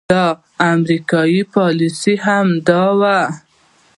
د امريکې پاليسي هم دا وه